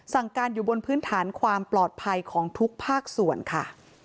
สั่งการอยู่บนพื้นฐานความปลอดภัยของทุกภาคส่วนค่ะ